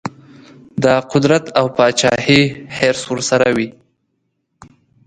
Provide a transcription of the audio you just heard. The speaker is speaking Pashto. د قدرت او پاچهي حرص ورسره وي.